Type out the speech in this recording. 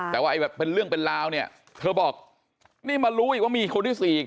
แต่ว่าไอ้แบบเป็นเรื่องเป็นราวเนี่ยเธอบอกนี่มารู้อีกว่ามีคนที่สี่อีก